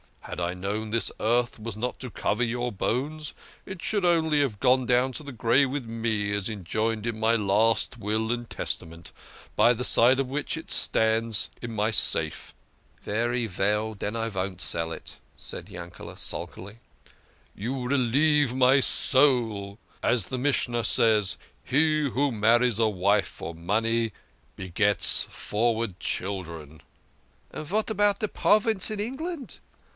Had I known this earth was not to cover your bones, it should have gone down to the grave with me, as enjoined in my last will and testament, by the side of which it stands in my safe." " Very veil, I von't sell it," said Yankele" sulkily. " You relieve my soul. As the Mishnah says, ' He who marries a wife for money begets froward children.' "" And vat about de province in England